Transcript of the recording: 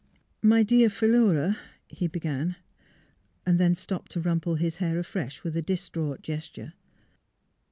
'* My dear Philura "he began; then stopped to rumple his hair afresh with a distraught gesture.